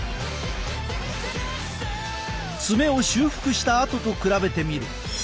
爪を修復したあとと比べてみる。